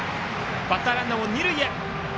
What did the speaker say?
バッターランナーも二塁へ。